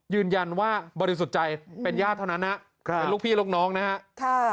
ยืนยันว่าบริสุทธิ์ใจเป็นญาติเท่านั้นนะเป็นลูกพี่ลูกน้องนะฮะ